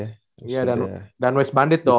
iya dan west bandit dong